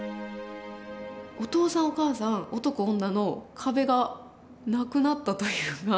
お父さんお母さん男女の壁がなくなったというか。